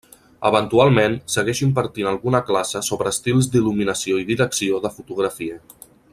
Eventualment segueix impartint alguna classe sobre estils d'il·luminació i direcció de fotografia.